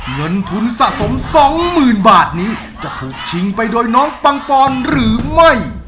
เงินทุนสะสม๒๐๐๐บาทนี้จะถูกชิงไปโดยน้องปังปอนหรือไม่